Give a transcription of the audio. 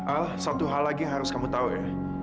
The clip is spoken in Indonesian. al satu hal lagi yang harus kamu tahu ya